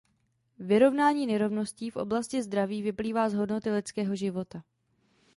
Vyrovnání nerovností v oblasti zdraví vyplývá z hodnoty lidského života.